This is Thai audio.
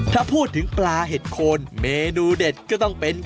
ถ้าพูดถึงปลาเห็ดโคนเมนูเด็ดก็ต้องเป็น